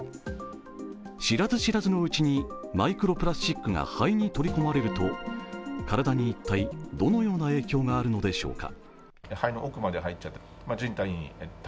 知らず知らずのうちにマイクロプラスチックが肺に取り込まれると体に一体、どのような影響があるのでしょうか。